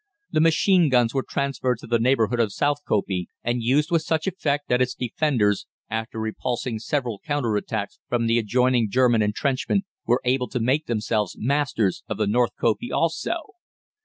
The machine guns were transferred to the neighbourhood of South Kopje, and used with such effect that its defenders, after repulsing several counter attacks from the adjoining German entrenchment, were able to make themselves masters of the North Kopje also.